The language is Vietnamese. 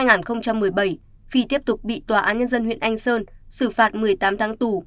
năm hai nghìn một mươi bảy phi tiếp tục bị tòa án nhân dân huyện anh sơn xử phạt một mươi tám tháng tù